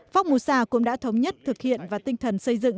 phóng mô sa cũng đã thống nhất thực hiện và tinh thần xây dựng